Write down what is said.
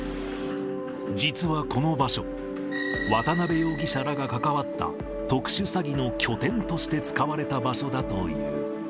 実はこの場所、渡辺容疑者らが関わった特殊詐欺の拠点として使われた場所だという。